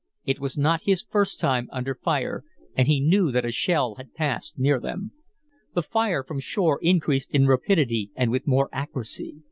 It was not his first time under fire, and he knew that a shell had passed near them. The fire from shore increased in rapidity and with more accuracy.